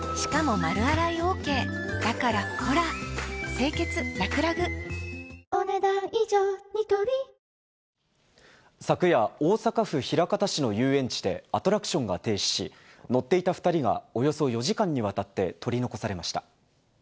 警察は、昨夜、大阪府枚方市の遊園地でアトラクションが停止し、乗っていた２人がおよそ４時間にわたって取り残されました。